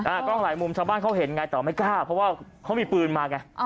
กล้องหลายมุมชาวบ้านเขาเห็นไงแต่ไม่กล้าเพราะว่าเขามีปืนมาไง